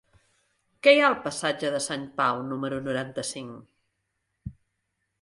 Què hi ha al passatge de Sant Pau número noranta-cinc?